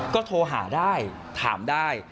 ก็โทรหาได้ถามได้